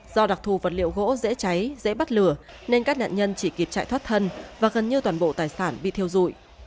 do đặc thù vật liệu gỗ dễ cháy dễ bắt lửa nên các nạn nhân chỉ kịp chạy thoát thân và gần như toàn bộ tài sản bị thiêu dụi